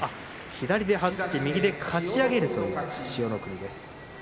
左で張って右でかち上げるという千代の国です。